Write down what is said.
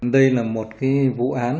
đây là một cái vụ án